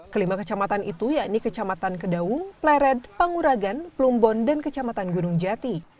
kelima kecamatan itu yakni kecamatan kedaung pleret panguragan plumbon dan kecamatan gunung jati